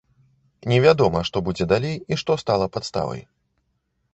Невядома, што будзе далей і што стала падставай.